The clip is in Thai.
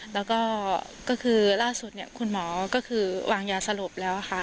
แล้วก็ก็คือล่าสุดเนี่ยคุณหมอก็คือวางยาสลบแล้วค่ะ